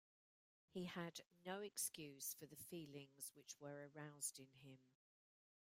He had no excuse for the feelings which were aroused in him.